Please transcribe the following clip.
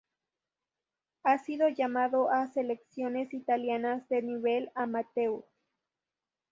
Ha sido llamado a selecciones italianas de nivel amateur.